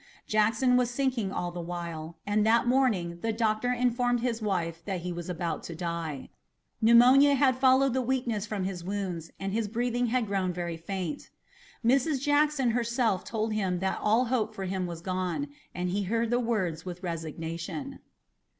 Jackson was sinking all the while, and that morning the doctor informed his wife that he was about to die. Pneumonia had followed the weakness from his wounds and his breathing had grown very faint. Mrs. Jackson herself told him that all hope for him was gone, and he heard the words with resignation.